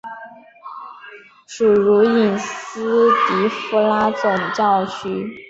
属茹伊斯迪福拉总教区。